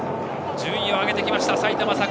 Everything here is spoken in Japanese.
順位を上げてきました埼玉栄。